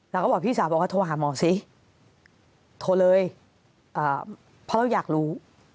เราก็บอกพี่สาวบอกว่าโทรหาหมอสิโทรเลยเพราะเราอยากรู้